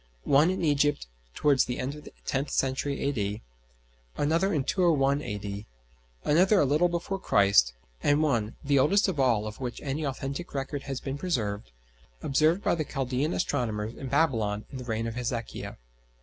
One in Egypt towards the end of the tenth century A.D.; another in 201 A.D.; another a little before Christ; and one, the oldest of all of which any authentic record has been preserved, observed by the Chaldæan astronomers in Babylon in the reign of Hezekiah.